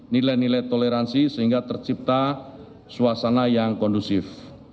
nilai nilai toleransi sehingga tercipta suasana yang kondusif